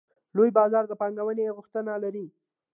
لوی بازار د پانګونې غوښتنه لري.